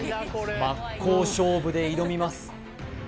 真っ向勝負で挑みます